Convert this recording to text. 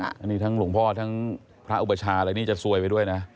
อันนี้ทั้งหลวงพ่อทั้งพระอุปชาอะไรนี่จะซวยไปด้วยนะ